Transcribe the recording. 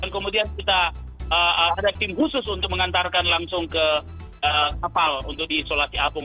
kemudian kita ada tim khusus untuk mengantarkan langsung ke kapal untuk diisolasi apung